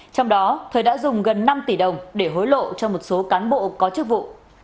trong đó thời đã dùng gần năm tỷ đồng để hối lộ cho một số cán bộ có chức vụ